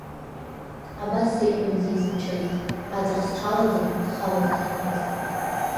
Абас сиҳәон зегь зымчыз, аҵых сҽалаӡан схала сахьтәаз.